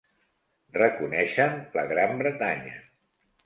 Reconeixen la Gran Bretanya.